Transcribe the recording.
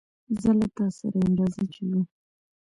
زه له تاسره ېم رازه چې ځو